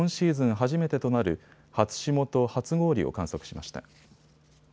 初めてとなる初霜と初氷を観測しました。